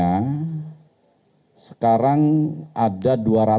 yang kedua sekarang ada dua ratus enam puluh delapan